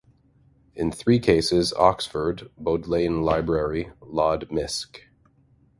In three cases, Oxford, Bodleian Library, Laud Misc.